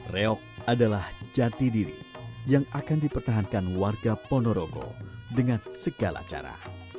reok adalah jati diri yang akan dipertahankan warga ponorogo dengan segala cara